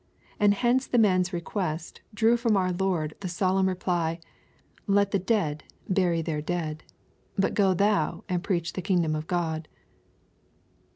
And hence the man's request drew from our Lord the solemn reply, —" Let the dead bury their dead, but go thou and preach the kingdom of God."